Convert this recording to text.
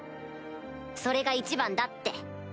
それが一番だって。